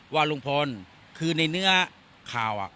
ว่าลุงพลคือในเนื้อข่าว